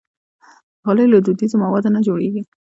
غالۍ له دودیزو موادو نه جوړېږي.